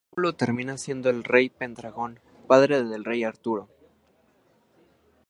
Rómulo termina siendo el rey Pendragon, padre del rey Arturo.